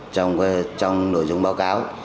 trong nội dung báo cáo